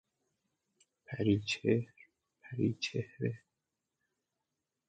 پری چهر- پری چهره